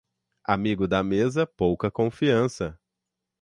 Amigo da mesa, pouca confiança.